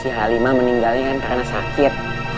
si halimah meninggalnya kan karena sakit